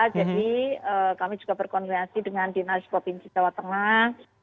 jadi kami juga berkongresi dengan dinas popin di jawa tengah